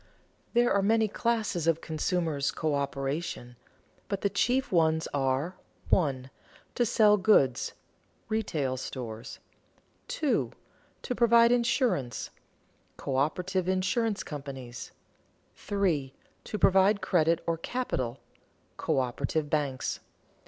_ There are many classes of consumers' coöperation, but the chief ones are: (1) to sell goods (retail stores); (2) to provide insurance (coöperative insurance companies); (3) to provide credit or capital (coöperative banks).